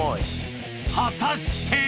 果たして？